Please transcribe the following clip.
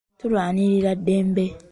Tulwanirira ddembe.